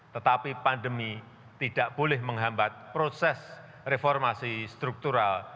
tetapi pandemi tidak boleh menghambat proses reformasi struktural